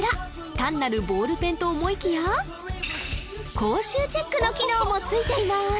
単なるボールペンと思いきや口臭チェックの機能もついています